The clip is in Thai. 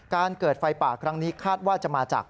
เกิดไฟป่าครั้งนี้คาดว่าจะมาจาก